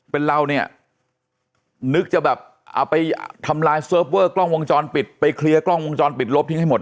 เป็นเราเนี่ยนึกจะแบบเอาไปทำลายเซิร์ฟเวอร์กล้องวงจรปิดไปเคลียร์กล้องวงจรปิดลบทิ้งให้หมด